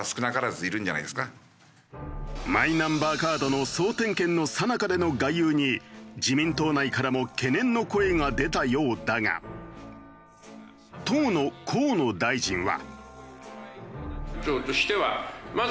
マイナンバーカードの総点検のさなかでの外遊に自民党内からも懸念の声が出たようだが当の河野大臣は。